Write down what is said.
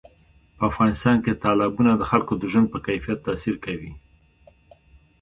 په افغانستان کې تالابونه د خلکو د ژوند په کیفیت تاثیر کوي.